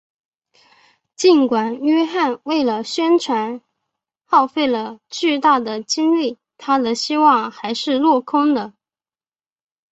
尽管约翰为了宣传耗费了巨大的精力他的希望还是落空了。